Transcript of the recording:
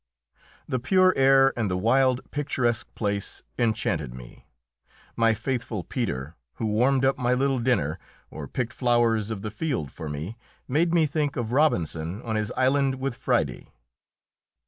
The pure air and the wild, picturesque place enchanted me. My faithful Peter, who warmed up my little dinner or picked flowers of the field for me, made me think of Robinson on his island with Friday.